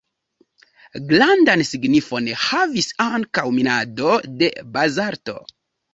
Grandan signifon havis ankaŭ minado de bazalto.